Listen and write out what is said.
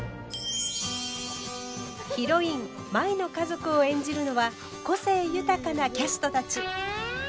ヒロイン舞の家族を演じるのは個性豊かなキャストたち。